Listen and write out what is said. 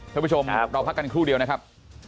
ท่านผู้ชมเราพักกันครู่เดียวนะครับ